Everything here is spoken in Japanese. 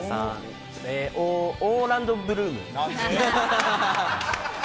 オーランド・ブルーム。